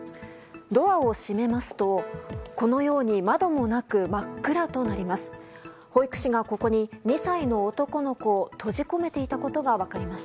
ドアを閉めますとこのように窓もなく、真っ暗となります。